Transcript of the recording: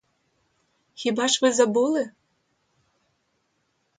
Хіба ж ви забули?